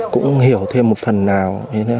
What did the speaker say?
cũng hiểu thêm một phần nào